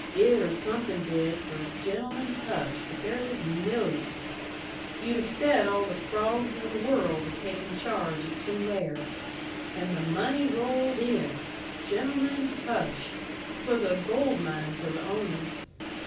It or something did for, gentlemen, hush! but there was millions. You'd have said all the frawgs in the world had taken charge at Tulare. And the money rolled in! Gentlemen, hush! 'twas a gold mine for the owners.